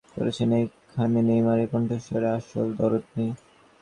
বিজ্ঞাপনটি নিয়ে অনেকেই মন্তব্য করেছেন, এখানে নেইমারের কণ্ঠস্বরে আসল দরদ নেই।